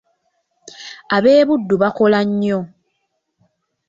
Ab’e Buddu bakola nnyo.